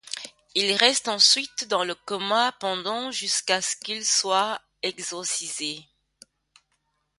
Il reste ensuite dans le coma pendant jusqu'à ce qu'il soit exorcisé.